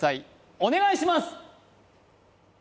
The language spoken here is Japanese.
お願いします